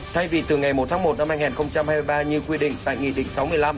thay vì từ ngày một tháng một năm hai nghìn hai mươi ba như quy định tại nghị định sáu mươi năm